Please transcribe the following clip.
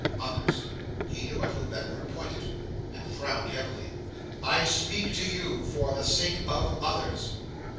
Others! He knew at whom that word pointed, and frowned heavily. "I speak to you for the sake of others.